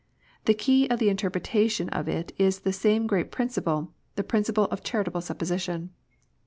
The key to the interpretation of it is the same great principle, the principle of charitable supposition.